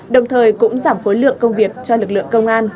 đồng thời cũng giảm khối lượng công việc cho lực lượng công an